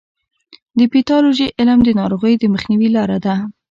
د پیتالوژي علم د ناروغیو د مخنیوي لاره ده.